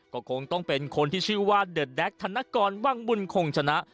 ก็คงต้องเป็นคนที่ชื่อว่าเดิร์ดแด๊กธนกรวังบุญคงชนะ